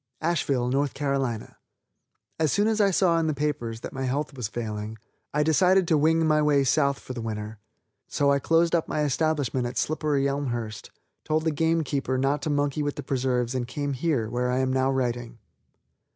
ASHEVILLE, N. C. As soon as I saw in the papers that my health was failing, I decided to wing my way South for the winter. So I closed up my establishment at Slipperyelmhurst, told the game keeper not to monkey with the preserves and came here, where I am now writing.